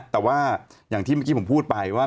แต่ว่าอย่างที่เมื่อกี้ผมพูดไปว่า